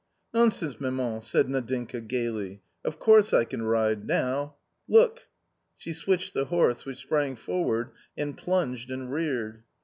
" Nonsense, maman? said Nadinka, gaily ;" of course I can ride now — look." She switched the horse, which sprang forward and plunged and reared.